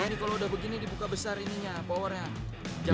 ini kalau udah begini dibuka besar ini ya powernya